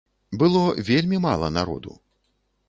Было вельмі мала народу.